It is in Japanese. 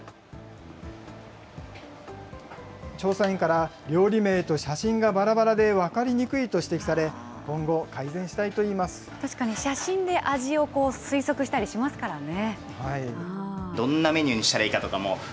調査員から、料理名と写真がばらばらで分かりにくいと指摘され、今後、確かに写真で味を推測したりしますからね。